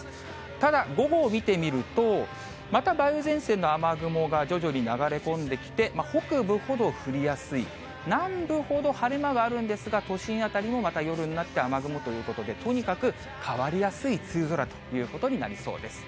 ただ、午後を見てみると、また梅雨前線の雨雲が徐々に流れ込んできて、北部ほど降りやすい、南部ほど晴れ間があるんですが、都心辺りもまた夜になって、雨雲ということで、とにかく変わりやすい梅雨空ということになりそうです。